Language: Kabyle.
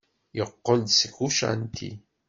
Yeqqel-d seg ucanṭi.